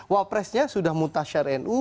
wakil presiden sudah mutasyar nu